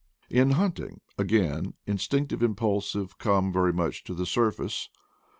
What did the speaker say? In hunting, again, instinctive impulses come very much to the surface.